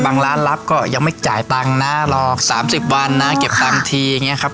ร้านรับก็ยังไม่จ่ายตังค์นะหรอก๓๐วันนะเก็บตังค์ทีอย่างนี้ครับ